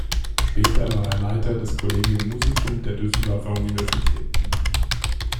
Später war er Leiter des Collegium musicum der Düsseldorfer Universität.